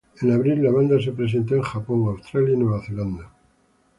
En abril, la banda se presentó en Japón, Australia y Nueva Zelanda.